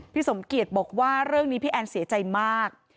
สมเกียจบอกว่าเรื่องนี้พี่แอนเสียใจมาก